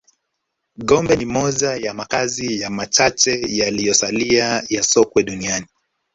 Gombe ni moja ya makazi ya machache yaliyosalia ya Sokwe duniani